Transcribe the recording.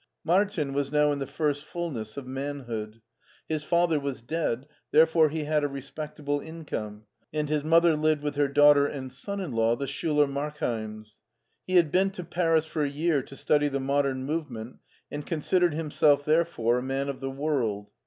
Martin was now in the first fullness of man hood. His father was dead, therefore he had a re spectable income, and his mother lived with her daugh ter and son in law, the Schuler Markheims. He had been to Paris for a year to study the Modem Move ment, and considered himself therefore a man of the world.